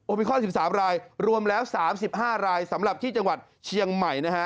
มิคอน๑๓รายรวมแล้ว๓๕รายสำหรับที่จังหวัดเชียงใหม่นะฮะ